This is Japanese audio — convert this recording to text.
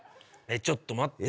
ちょっと待って。